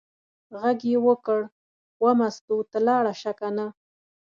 غږ یې وکړ: وه مستو ته لاړه شه کنه.